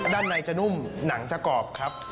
ด้านในจะนุ่มหนังจะกรอบครับ